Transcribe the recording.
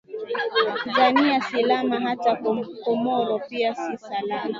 zania si salama hata comoro pia si salama